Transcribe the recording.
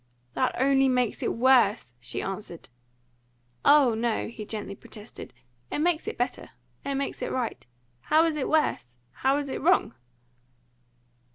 "That only makes it worse!" she answered. "Oh no!" he gently protested. "It makes it better. It makes it right. How is it worse? How is it wrong?"